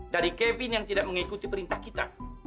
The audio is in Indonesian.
dari kevin yang tidak mengikuti perintah kita